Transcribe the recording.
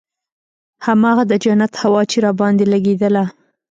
هماغه د جنت هوا چې راباندې لګېدله.